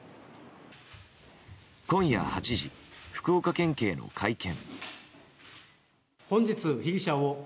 今夜８時、福岡県警の会見。